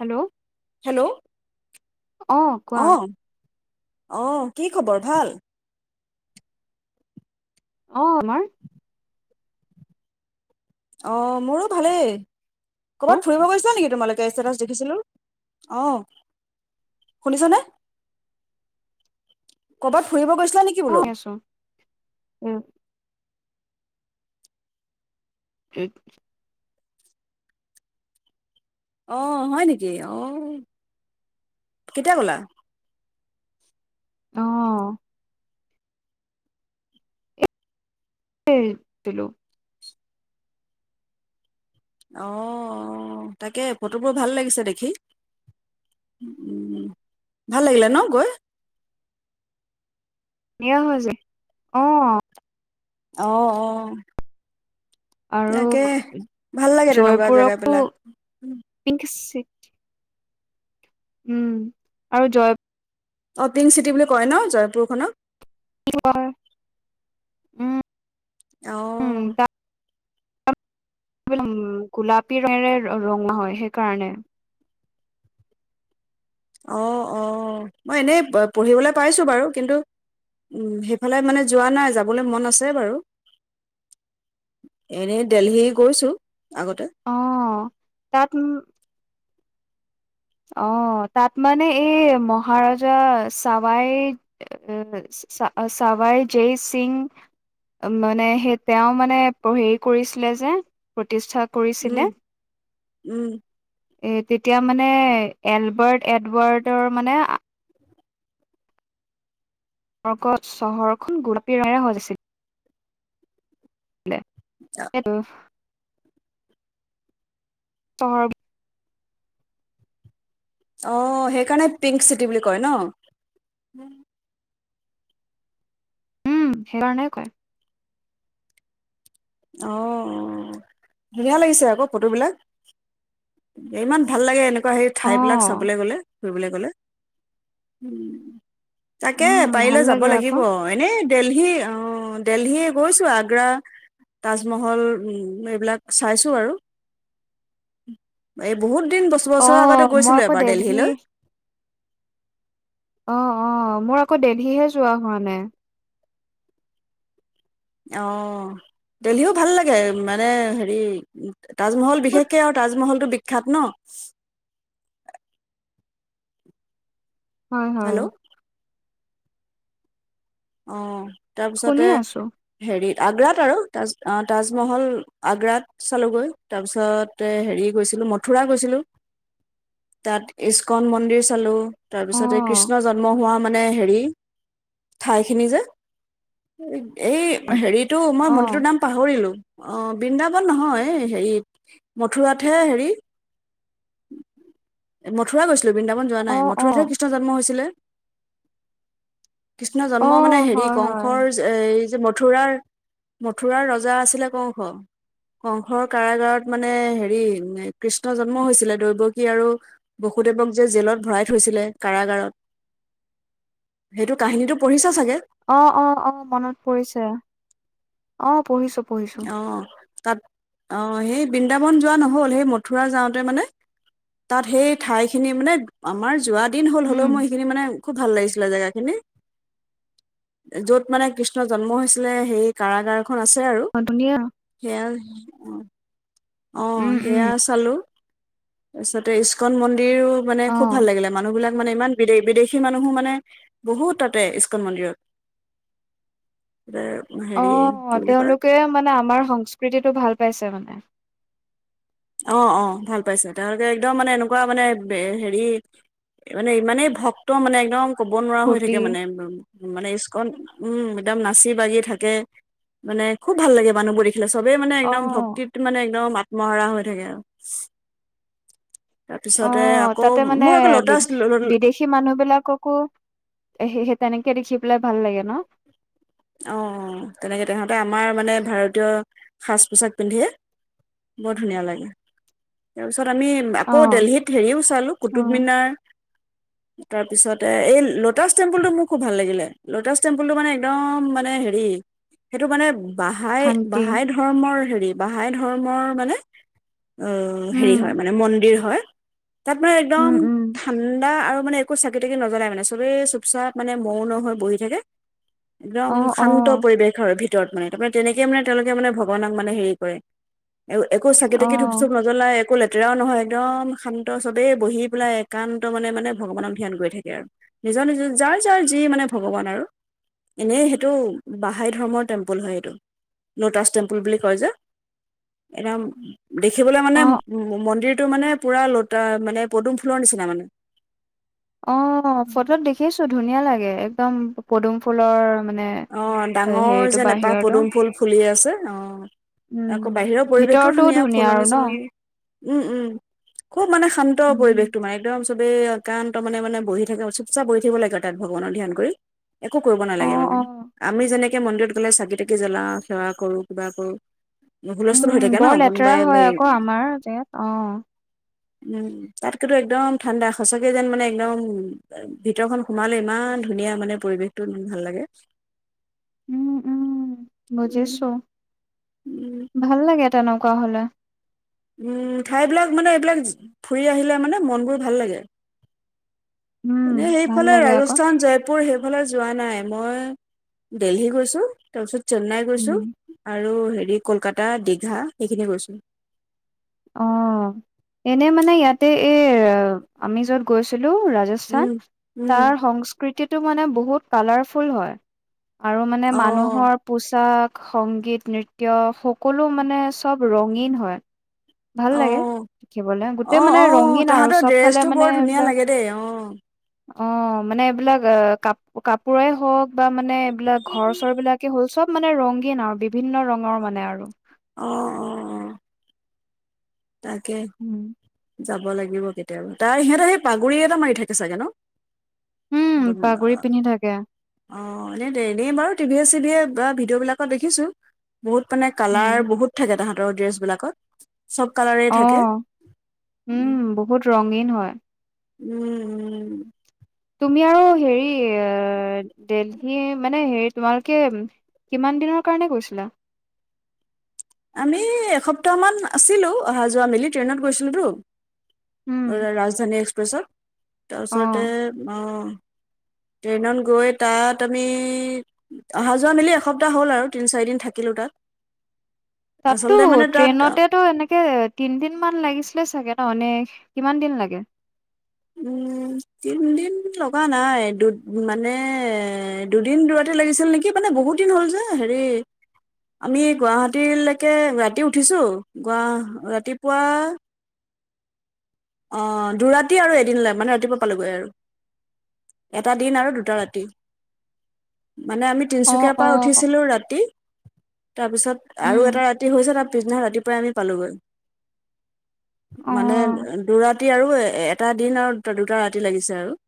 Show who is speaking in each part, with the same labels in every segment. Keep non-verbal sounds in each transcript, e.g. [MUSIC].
Speaker 1: Hello
Speaker 2: hello
Speaker 1: অ কোৱা
Speaker 2: অ' অ' কি খবৰ ভাল?
Speaker 1: অ' তোমাৰ
Speaker 2: অ' মোৰো ভালেই
Speaker 1: অ
Speaker 2: কৰ'বাত ফুৰিব গৈছা নেকি তোমালোক কে ষ্টেটাছ দেখিছিলো, অ' শুনিছানে? কৰবাত ফৰিব গৈছিলা নিক
Speaker 1: অ' আছো, উম। এক
Speaker 2: অ' হয় নেকি, অ' কেতিয়া গ'লা?
Speaker 1: অ'। সেই দিলো [UNINTELLIGIBLE]
Speaker 2: অ' তাকে ফটোবোৰ ভাল লাগিছে দেখি। উম ভাল লাগিলে ন গৈ।
Speaker 1: নিয়া হৈছে, অ'
Speaker 2: অ' অ'।
Speaker 1: আৰু
Speaker 2: তাকে ভাল লাগে তেনেকুৱা জেগা
Speaker 1: জয়পুৰকো
Speaker 2: বিলাক
Speaker 1: পিংক চি [UNINTELLIGIBLE] উম, আৰু জয়
Speaker 2: অ' পিংক চিটি বুলি কয় ন জয়পুৰখনক।
Speaker 1: কয় উম উম
Speaker 2: অঁ
Speaker 1: তা [UNINTELLIGIBLE] গোলাপী ৰঙেৰে ৰঙা হয়, সেইকাৰণে
Speaker 2: অ' অ' মই এনেই পঢ়িবলৈ পাইছো বাৰু কিন্তু উম, সেইফালে মানে যোৱা নাই যাবলৈ মন আছে বাৰু এনেই দিল্লী গৈছো আগতে।
Speaker 1: অ' তাত অ, তাত মানে এই মহাৰজা চাৱাই [UNINTELLIGIBLE] চাবাই জয় চিং মানে সেই তেওঁ মানে হেৰি কৰিছিলে যে প্ৰতিষ্ঠা কৰিছিলে
Speaker 2: উম, উম,
Speaker 1: এ তেতিয়া মানে এলবাৰ্ট এডৱাৰ্টৰ মানে [UNINTELLIGIBLE] চহৰখন গোলোপী ৰঙৰে হৈ গৈছিল। [UNINTELLIGIBLE] চহৰ
Speaker 2: অ, সেইকাৰণে পিংক চিটি বুলি কয় ন?
Speaker 1: উম, সেইকাৰণেহে কয়।
Speaker 2: অ, ধুনীয়া লাগিছে আকৌ ফটোবিলাক। ইমান ভাল লাগে এনেক কুৱা সেই
Speaker 1: অ
Speaker 2: ঠাই বিলাক চাবলে গলে ফুৰিবলৈ গলে উম, তাকে
Speaker 1: উম
Speaker 2: পাৰিলে
Speaker 1: ভাল
Speaker 2: যাব
Speaker 1: লাগে
Speaker 2: লাগিব
Speaker 1: আকৌ
Speaker 2: এনেই দেলহি অ, দেলহি গৈছো আগ্ৰা তাজমহল এইবিলাক চাইছোঁ আৰু। এই বহুত দিন বছ
Speaker 1: অ
Speaker 2: -বছৰৰ আগতে
Speaker 1: মই
Speaker 2: গৈছিলোঁ
Speaker 1: আকৌ
Speaker 2: এবাৰ
Speaker 1: দেলহি
Speaker 2: দেলহিলৈ।
Speaker 1: অ', অ', মোৰ আকৌ দেলহিহে যোৱা হোৱা নাই।
Speaker 2: অ, দেলহিও ভাল লাগে মানে হেৰি তাজমহল
Speaker 1: ক'ত
Speaker 2: বিশেষকে আৰু তাজমহলটো বিখ্যাত ন'?
Speaker 1: হয়-হয়।
Speaker 2: হেল্ল' অ,
Speaker 1: শুনি
Speaker 2: তাৰপিছতে
Speaker 1: আছো
Speaker 2: হেৰিত আগ্ৰাত আৰু তাজ অ, তাজমহল আগ্ৰাত চালোগৈ তাৰপিছতে হেৰি গৈছিলোঁ মথুৰা গৈছিলোঁ। তাত ইস্কন মন্দিৰ চালোঁ তাৰ
Speaker 1: অ
Speaker 2: পিছতে কৃষ্ণ জন্ম হোৱা মানে হেৰি ঠাইখিনি যে এই হেৰিটো মই
Speaker 1: অ
Speaker 2: মন্দিৰটোৰ নাম পাহৰিলো অ, বৃন্দাবন নহয় হেৰিত মথুৰাতহে হেৰি এ মথুৰা গৈছিলোঁ বৃন্দাবন যোৱা
Speaker 1: অ
Speaker 2: নাই
Speaker 1: অ
Speaker 2: মথুৰাতহে কৃষ্ণ জন্ম হৈছিলে। কৃষ্ণ
Speaker 1: অ
Speaker 2: জন্ম মানে হেৰি
Speaker 1: হয় হয়
Speaker 2: কংসৰ এই যে মথুৰাৰ-মথুৰাৰ ৰজা আছিলে কওঁখ কংসৰ কাৰাগাৰত মানে হেৰি কৃষ্ণ জন্ম হৈছিলে দৈৱকী আৰু বসুদেৱক যে জেলত ভৰাই থৈছিলে কাৰাগাৰত সেইটো কাহিনীটো পঢ়িছা ছাগে?
Speaker 1: অ', অ', অ', মনত পৰিছে অ, পঢ়িছো। পঢ়িছো
Speaker 2: অ, তাত অ, সেই বৃন্দাবন যোৱা নহ'ল সেই মথুৰা যাওঁতে মানে তাত সেই ঠাইখিনি মানে আমাৰ যোৱা দিন হল
Speaker 1: উম
Speaker 2: হলেও মই সেইখিনি মানে খুব ভাল লাগিছিলে জেগাখিনি। য'ত মানে কৃষ্ণৰ জন্ম হৈছিলে সেই কাৰাগাৰ খন আছে আৰু।
Speaker 1: অ ধুনীয়া।
Speaker 2: সেয়া অ, অ,
Speaker 1: উম উম
Speaker 2: সেয়া চালো তাৰপিছতে ইচকন মন্দিৰো মানে
Speaker 1: অ
Speaker 2: খুব ভাল লাগিলে। মানুহ বিলাক মানে ইমান বিদে-বিদেশী মানুহো মানে বহুত তাতে ইচকন মন্দিৰত। [UNINTELLIGIBLE]
Speaker 1: অ,
Speaker 2: কি বুলি কয়
Speaker 1: তেওঁলোকে মানে আমাৰ সংস্কৃতিটো ভাল পাইছে মানে।
Speaker 2: অ', অ', ভাল পাইছে তেওঁলোকে একদম মানে এনেকুৱা মানে হেৰি মানে ইমানেই ভক্ত মানে একদম ক'ব নোৱাৰা হৈ
Speaker 1: ফূৰ্তি
Speaker 2: থাকে মানে উ মানে স্কন উম একদম নাচি বাগি থাকে মানে খুব ভাল লাগে মানুহবোৰ দে, খিলে চবেই মানে
Speaker 1: অ
Speaker 2: একদম ভক্তিত মানে একদম আত্মহাৰা হৈ থাকে আৰু,
Speaker 1: অ
Speaker 2: তাৰপিছতে আকৌ
Speaker 1: তাতে মানে
Speaker 2: মোৰ আকৌ
Speaker 1: বি
Speaker 2: লটাছ
Speaker 1: বিদেশী, বিদেশী মানুহ বিলাককো সেসেই তেনেকে দেখি পেলাই ভাল লাগে ন।
Speaker 2: অ তেনেকে তেহঁতে আমাৰ মানে ভাৰতীয় সাজ পোছাক পিন্ধে। বৰ ধুনীয়া লাগে তাৰপিছত আমি,
Speaker 1: অ
Speaker 2: আকৌ দেলহিত হেৰিও চালো
Speaker 1: অ
Speaker 2: কুটুব মিনাৰ। তাৰপিছতে এই লটাছ টেম্পুলটো মোৰ খুব ভাল লাগিলে ল'টাচ টেম্পুলটো মানে একদম, মানে হেৰি সেইটো মানে বাহায়ে
Speaker 1: শান্তি
Speaker 2: বাহায়ে ঢ, ধৰ্মৰ হেৰি বাহাই ধৰ্মৰ মানে, অ হেৰি
Speaker 1: উম
Speaker 2: হয় মানে মন্দিৰ হয় তাত মানে একদম,
Speaker 1: উম উম
Speaker 2: ঠাণ্ডা আৰু মানে একো চাকি তাকি নজ্বলাই মানে চবেই চুপচাপ মানে মৌন হৈ বহি থাকে। একদম
Speaker 1: অ অ
Speaker 2: শান্ত পৰিৱেশ। পৰিৱেশ হয় ভিতৰত মানে তাৰমানে তেনেকে মানে তেওঁলোকে মানে ভগানাক মানে হেৰি কৰে। এ একো চাকি
Speaker 1: অ
Speaker 2: তাকি ধুব ছুপ নজ, জ্বলাই একো লেতেৰাও নহয় একদম শান্ত চবেই বহি পেলাই একান্ত মানে মানে ভগৱানক ধ্যান কৰি থাকে আৰু, নিজৰ নিজৰ যাৰ যাৰ যি মানে ভগৱান আৰু এনেই সে, এইটো বাহাই ধৰ্মৰ টেম্পুল হয় এইটো লটাচ টেম্পুল বুলি কয় যে, এনাম, দেখিবলৈ মানে
Speaker 1: অ
Speaker 2: মন্দিৰটো মানে পুৰা লতা মানে পদুম ফুলৰ নিচিনা মানে।
Speaker 1: অ ফটোত দেখিছো ধুনীয়া লাগে একদম পদুম ফুলৰ মানে,
Speaker 2: অ ডাঙৰ
Speaker 1: হেৰিটো
Speaker 2: যেন এপাহ
Speaker 1: বাহিৰতো
Speaker 2: পদুম ফুল ফুলি আছে অ,
Speaker 1: উম
Speaker 2: আকৌ বাহিৰৰ পৰিৱেশ টো
Speaker 1: ভিতৰতো
Speaker 2: ধুনীয়া
Speaker 1: আৰু
Speaker 2: ফুলনি
Speaker 1: ন
Speaker 2: চলনি। উম উম খুব মানে শান্ত
Speaker 1: উম
Speaker 2: পৰিৱেশ তোমাৰ একদম, চবেই একান্ত মনেমনে বহি থাকে চুপ চাপ বহি থাকিব লাগে আৰু তাত ভগৱানৰ ধ্যান কৰি। একো কৰিব
Speaker 1: অ
Speaker 2: নালাগে মানে।
Speaker 1: অ
Speaker 2: আমি যেনেকে মন্দিৰত গ'লে চাকি তাকি জ্বলাওঁ সেৱা কৰো কিবা কৰো।
Speaker 1: উম
Speaker 2: হুলস্থস্থুল হৈ থাকে ন
Speaker 1: বৰ লেতেৰা
Speaker 2: কোনোবাই
Speaker 1: হয় আকৌ
Speaker 2: এই,
Speaker 1: আমাৰ জেগাত অ
Speaker 2: তাতকতো একদম ঠাণ্ডা সঁচাকৈ যেন মানে একদম, ভিতৰখন সোমালে ইমান ধুনীয়া মানে পৰিৱেশটো ভাল লাগে।
Speaker 1: উম, উম,
Speaker 2: উম
Speaker 1: বুজিছো
Speaker 2: উম
Speaker 1: ভাল লাগে তেনেকুৱা হ'লে।
Speaker 2: উম, ঠাইবিলাক মানে এইবিলাক ফুৰি আহিলে মানে মনবোৰ ভাল লাগে।
Speaker 1: উম
Speaker 2: এনেই
Speaker 1: ভাল
Speaker 2: সেইফালে
Speaker 1: লাগে আকৌ
Speaker 2: ৰাজস্থান জয়পুৰ সেইফালে যোৱা নাই মই দেলহি গৈছোঁ। তাৰপিছত চেন্নাই
Speaker 1: উম
Speaker 2: গৈছোঁ আৰু হেৰি কলকাতা দীঘা সেইখিনি গৈছোঁ।
Speaker 1: অ', এনে মানে ইয়াতে এ আমি যত গৈছিলো ৰাজছ,
Speaker 2: উম উম
Speaker 1: তাৰ সংস্কৃতিটো মানে বহুত কালাৰফুল হয়। আৰু মানে
Speaker 2: অ
Speaker 1: মানুহৰ পোচাক, সংগীত নৃত্য সকলো মানে চব ৰঙীন হয়। ভাল
Speaker 2: অ
Speaker 1: লাগে দেখিবলে
Speaker 2: অ
Speaker 1: গোটেই মানে
Speaker 2: অ
Speaker 1: ৰঙীন আৰু
Speaker 2: তাহাঁতৰ
Speaker 1: চবফালে
Speaker 2: ড্ৰেছটো
Speaker 1: মানে
Speaker 2: বৰ ধুনীয়া
Speaker 1: এইবিলাক,
Speaker 2: লাগে দেই অ
Speaker 1: অ', মানে এইবিলাক অ', কাপ কাপোৰই হওক, বা মানে এইবিলাক ঘৰ চৰ বিলাকে হ'ল চব মানে ৰংগীন আৰু বিভিন্ন ৰঙৰ মানে আৰু।
Speaker 2: অ', অ', অ'। তাকে।
Speaker 1: উম।
Speaker 2: যাব লাগিব কেতিয়াবা তাৰ সিহঁতে সেই পাগুৰি এটা মাৰি থাকে চাগে ন'।
Speaker 1: উম, পাগুৰি পিন্ধি থাকে।
Speaker 2: [INAUDIBLE] অ', এনেই ডেইলি বাৰু টিভিয়ে চিভিয়ে বা ভিডিঅ' বিলাকত দেখিছো। বহুত মানে
Speaker 1: উম,
Speaker 2: কালাৰ বহুত থাকে তাহাঁতৰ ড্ৰেছ বিলাকত চ'ব কালাৰে থাকে
Speaker 1: অ', উম, বহুত ৰঙীন হয়।
Speaker 2: উম, উম।
Speaker 1: তুমি আৰু হেৰি এ দেলহি মানে হেৰি তোমালোকে কিমান দিনৰ কাৰণে গৈছিলা?
Speaker 2: আমি এসপ্তাহ মান আছিলো অহা যোৱা মিলি ট্ৰেইনত গৈছিলোতো।
Speaker 1: উম,
Speaker 2: ৰাজধানী এক্সপ্ৰেছত তাৰপিছতে
Speaker 1: অ'।
Speaker 2: ট্ৰেইনত গৈ তাত আমি অহা যোৱা মিলি এসপ্তাহ হ'ল আৰু তিনি চাৰিদিন থাকিলোঁ তাত।
Speaker 1: তাততো
Speaker 2: আচলতে মানে তাত
Speaker 1: ট্ৰেইনতেতো এনেকে তিনদিন মান লাগিছিলে চাগে ন এনে কিমান দিন লাগে?
Speaker 2: উম, তিনদিন লগা নাই দু মানে দুদিন দুৰাতি লাগিছিল নেকি, মানে বহুত দিন হ'ল যে হেৰি আমি গুৱাহাটীলৈকে ৰাতি উঠিছোঁ গোৱা ৰাতিপুৱা অ', দুৰাতি আৰু এদিন লাগে মানে ৰাতিপুৱা পালোগৈ আৰু। এটা দিন আৰু দুটা ৰাতি মানে আমি
Speaker 1: অ',
Speaker 2: তিনিচুকীয়াৰ পৰা
Speaker 1: অ',
Speaker 2: উঠিছিলো ৰাতি। তাৰপিছত
Speaker 1: উম,
Speaker 2: আৰু এটা ৰাতি হৈছে তাৰ পিছদিনা ৰাতিপুৱাই আমি পালো গৈ, মানে
Speaker 1: অ',
Speaker 2: দুৰাতি আৰু এটা দিন আৰু দুটা ৰাতি লাগিছে আৰু।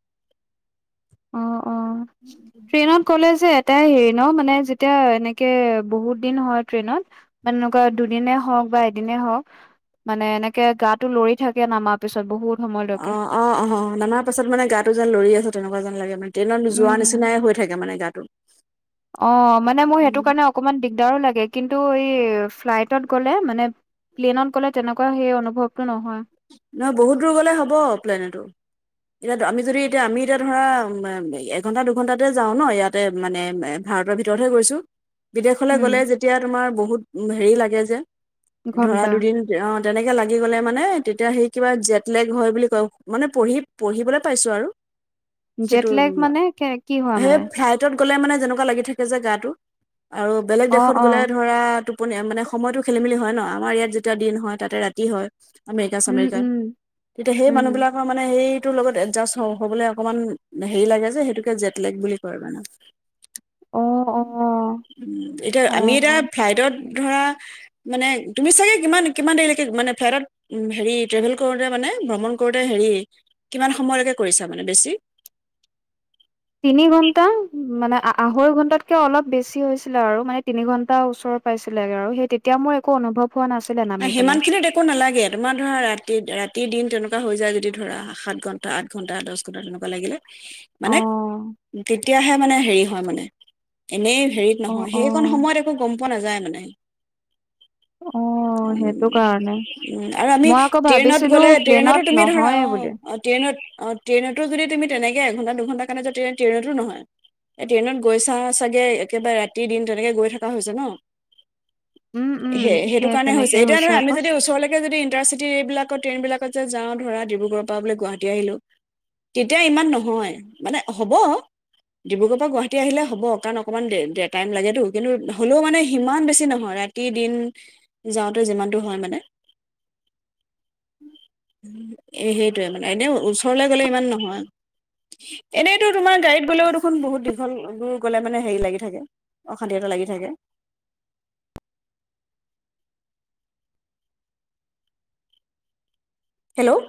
Speaker 1: অ', অ'।
Speaker 2: [INAUDIBLE]
Speaker 1: ট্ৰেইনত গ'লে যে এটাই হেৰি ন মানে যেতিয়া এনেকে বহুত দিন হয় ট্ৰেইনত মান তেনেকুৱা দুদিনে হওক বা এদিনে হওক। মানে এনেকে গাটো লৰি থাকে নামাৰ পিছত বহুত
Speaker 2: অ
Speaker 1: সময়লৈকে।
Speaker 2: অ', অ', নামাৰ পাছত মানে গাটো যেন লৰি আছে তেনেকুৱা যেন লাগে মানে। ট্ৰেইনত যোৱা
Speaker 1: উম।
Speaker 2: নিচিনাই হৈ থাকে মানে গাটো।
Speaker 1: অ মানে মোৰ সেইটো কাৰণে অকমান দিগদাৰো লাগে কিন্তু এই ফ্লাইটত গ'লে মানে প্লেনত ক'লে তেনেকুৱা সেই অনুভৱটো নহয়।
Speaker 2: নহয় বহুত দূৰ গ'লে হ'ব প্লেনতো। ইয়াত আমি যদি এতিয়া আমি এতিয়া ধৰা এঘন্টা দুঘন্টাতে যাওঁ ন ইয়াত। তে মানে এ ভাৰতৰ ভিতৰতহে গৈছোঁ। বিদেশলৈ
Speaker 1: উম
Speaker 2: গ'লে যেতিয়া তোমাৰ বহুত হেৰি লাগে যে ধৰা
Speaker 1: ঘন্টা
Speaker 2: দুদিন অ' তেনেকে লাগি গ'লে মানে তেতিয়া সেই কিবা জেটলেগ হয় বুলি কয় মানে পঢ়ি পঢ়িবলৈ পাইছোঁ আৰু। সেইটো
Speaker 1: জেট লেগ মানে কে কি হয়
Speaker 2: সেই
Speaker 1: মানে
Speaker 2: ফ্লাইট টত গ'লে মানে যেনেকুৱা লাগি থাকে যে গাটো আৰু বেলেগ
Speaker 1: অ
Speaker 2: দেশত
Speaker 1: অ
Speaker 2: গ'লে ধৰা তোপ পনি মানে সময়টো খেলি মেলি হয় ন আমাৰ ইয়াত যেতিয়া দিন হয় তাতে ৰাতি হয়। আমেৰিকা
Speaker 1: উম
Speaker 2: চামেৰিকা,
Speaker 1: উম
Speaker 2: তেতিয়া সেই
Speaker 1: উম
Speaker 2: মানুহবিলাক কৰ মানে সেইটোৰ লগত এডজাষ্ট হ হ'বলৈ অকনমান হেৰি লাগে যে সেইটোকে জেটলেগ বুলি কয় মানে।
Speaker 1: অ অ
Speaker 2: এতিয়া আমি
Speaker 1: অ
Speaker 2: এতিয়া ফ্লাইটত ধৰা মানে তুমি চাগে কিমান কিমান দেৰিলৈকে মানে ফ্লাইটত উম হেৰি ট্ৰেভেল কৰোঁতে মানে ভ্ৰমণ কৰোঁতে হেৰি কিমান সময়লৈকে কৰিছা মানে বেছি।
Speaker 1: তিনি ঘন্টা মানে আঢ়ৈ ঘন্টাতকে অলপ বেছি হৈছিলে আৰু মানে তিনি ঘন্টা ওচৰত। পাইছিলেগে আৰু সেই তেতিয়া মই একো অনুভৱ হোৱা নাছিলে
Speaker 2: নাই
Speaker 1: নামি
Speaker 2: সিমান
Speaker 1: পেলাই
Speaker 2: খিনিত একো নালাগে তোমাৰ ধৰা ৰাতি, ৰাতি দিন তেনেকুৱা হৈ যায় যদি ধৰা। সাত ঘন্টা, আঠ ঘন্টা, দছ ঘন্টা তেনেকুৱা লাগিলে
Speaker 1: অ
Speaker 2: মানে তেতিয়াহে মানে হেৰি হয় মানে। এনেই হেৰিত
Speaker 1: অ
Speaker 2: নহয়
Speaker 1: অ
Speaker 2: সেইকন সময়ত একো গম পোৱা নাযায় মানে।
Speaker 1: অ
Speaker 2: [UNINTELLIGIBLE]
Speaker 1: সেইটো কাৰণে
Speaker 2: [UNINTELLIGIBLE] আৰু আমি
Speaker 1: মই আকৌ
Speaker 2: ট্ৰেইনত
Speaker 1: ভাবিছিলো
Speaker 2: গ'লে,
Speaker 1: প্লেনত
Speaker 2: ট্ৰেইনটো তুমি ধৰা
Speaker 1: নহয়ে বুলি
Speaker 2: অ'। ট্ৰেইনত অ' ট্ৰেইনটো যদি তুমি তেনেকে এঘন্টা দুঘণ্টা কাৰণে যোৱা ট্ৰেইন, ট্ৰেইনটো নহয়। ট্ৰেইনত গৈছা চাগে একেবাৰে ৰাতি দিন তেনেকে গৈ থকা হৈছে ন।
Speaker 1: উম, উম
Speaker 2: সেই সেইটো
Speaker 1: সেত
Speaker 2: হৈছে, এতিয়া ধৰা আমি যদি ওচৰলৈকে যদি ইনটাৰচিটি এইবিলাকত ট্ৰেইনবিলাকত যে যাওঁ ধৰা ডিব্ৰুগড়ৰ পৰা বোলে গুৱাহাটী আহিলোঁ। তেতিয়া ইমান নহয়, মানে হ'ব ডিব্ৰুগড়ৰ পৰা গুৱাহাটী আহিলে হ'ব কাৰণ অকমান দে টাইম লাগেটো, কিন্তু হ'লেও মানে সিমান বেছি নহয় ৰা [UNINTELLIGIBLE] দিন যাওঁতে যিমানটো হয় মানে। এ সেইটোৱে মানে এনেও ওচৰলে গ'লে ইমান নহয়। এনেইটো তোমাৰ গাড়ীত গ'লেও দেখোন বহুত, দীঘলবোৰ গ'লে মানে হেৰি লাগি থাকে। অশান্তি এটা লাগি থাকে। হেল্ল'।